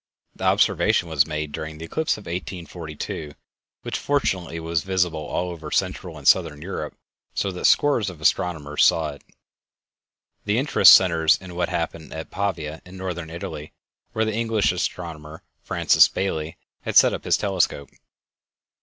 The observation was made during the eclipse of 1842, which fortunately was visible all over Central and Southern Europe so that scores of astronomers saw it. The interest centers in what happened at Pavia in Northern Italy, where the English astronomer Francis Baily had set up his telescope.